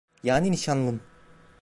Yani nişanlın.